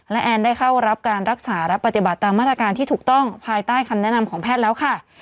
และแอนได้เข้ารับการรักษาและปฏิบัติตามมาตรการที่ถูกต้องภายใต้คำแนะนำของแพทย์แล้วค่ะ